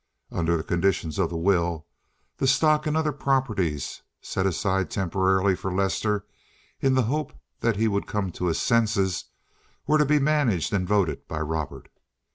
Under the conditions of the will, the stock and other properties set aside temporarily for Lester, in the hope that he would come to his senses, were to be managed and voted by Robert.